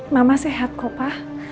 mama sehat kok pa